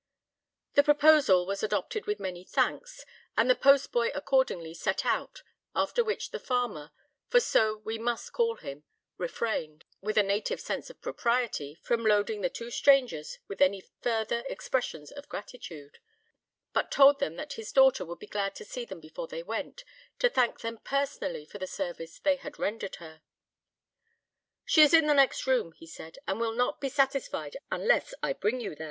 The proposal was adopted with many thanks, and the post boy accordingly sent on, after which the farmer, for so we must call him, refrained, with a native sense of propriety, from loading the two strangers with any further expressions of gratitude; but told them that his daughter would be glad to see them before they went, to thank them personally for the service they had rendered her. "She is in the next room," he said, "and will not be satisfied unless I bring you there."